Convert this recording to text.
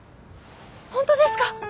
本当ですか！？